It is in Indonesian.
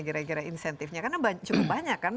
gara gara insentifnya karena cukup banyak kan